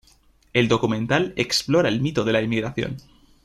El documental explora el mito de la emigración.